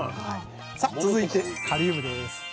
さあ続いてカリウムです。